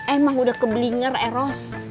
emang sudah keblinger ros